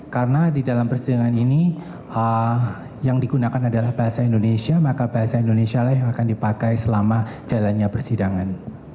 karena di dalam persidangan ini yang digunakan adalah bahasa indonesia maka bahasa indonesia akan dipakai selama jalannya persidangan